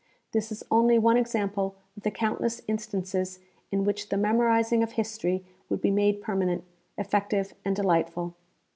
This is only one example of the countless instances in which the memorizing of history would be made permanent, effective and delightful.